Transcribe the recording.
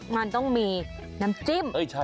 มันต้องมีน้ำจิ้ม